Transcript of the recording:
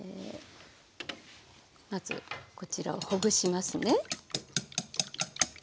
まずこちらをほぐしますね。